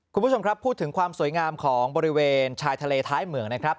คุณผู้ชมครับพูดถึงความสวยงามของบริเวณชายทะเลท้ายเหมืองนะครับ